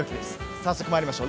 早速参りましょう。